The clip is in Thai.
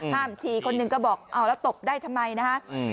ห้ามฉี่คนนึงก็บอกเอาแล้วตบได้ทำไมนะ